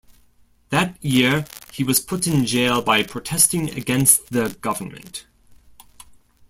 That year he was put in jail by protesting against the government.